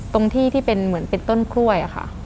ตรงที่ที่เป็นเหมือนเป็นต้นกล้วยค่ะ